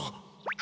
あ？